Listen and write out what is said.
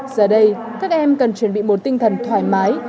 giờ đây các em cần chuẩn bị một tinh thần thoải mái